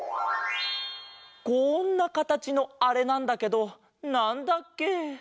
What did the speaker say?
こんなかたちのあれなんだけどなんだっけ？